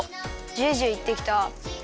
ジュージューいってきた。